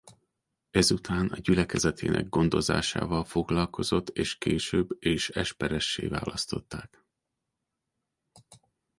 Ezután a gyülekezetének gondozásával foglalkozott és később és esperessé választották.